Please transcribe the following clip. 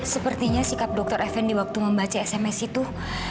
sepertinya sikap dr effendi waktu membaca sms itu